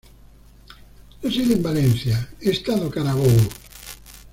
Reside en Valencia, estado Carabobo.